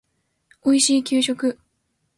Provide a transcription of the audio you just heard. おいしい給食